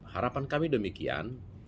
harapan kami demikian